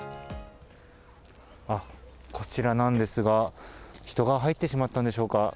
あっ、こちらなんですが、人が入ってしまったんでしょうか。